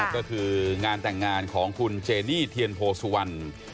ก็คืองานแต่งงานของคุณเจนี่เทียนโพสุวรรณ